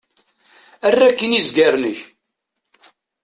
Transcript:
Err akkin izgaren-ik!